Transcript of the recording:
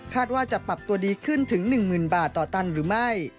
ว่าจะปรับตัวดีขึ้นถึง๑๐๐๐บาทต่อตันหรือไม่